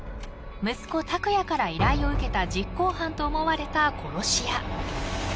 ［息子拓哉から依頼を受けた実行犯と思われた殺し屋］